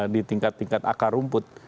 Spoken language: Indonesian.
di tingkat tingkat akar rumput